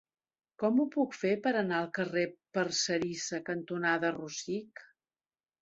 Com ho puc fer per anar al carrer Parcerisa cantonada Rosic?